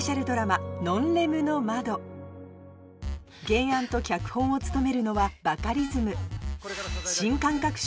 原案と脚本を務めるのはバカリズム